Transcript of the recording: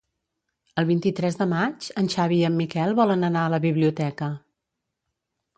El vint-i-tres de maig en Xavi i en Miquel volen anar a la biblioteca.